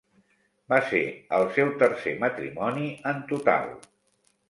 Va ser el seu tercer matrimoni en total.